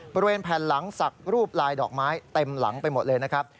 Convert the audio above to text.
บริเวณแผ่นหลังสักรูปลายดอกไม้เต็มหลังไปหมดเลยนะครับ